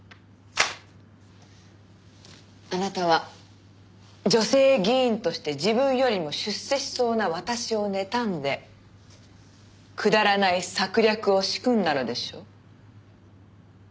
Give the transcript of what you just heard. あなたは女性議員として自分よりも出世しそうな私をねたんでくだらない策略を仕組んだのでしょう？